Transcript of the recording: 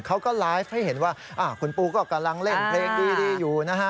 เขาก็ไลฟ์ให้เห็นว่าคุณปูก็กำลังเล่นเพลงดีอยู่นะฮะ